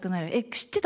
「知ってた？